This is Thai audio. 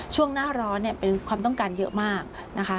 ช่วงหน้าร้อนเนี่ยเป็นความต้องการเยอะมากนะคะ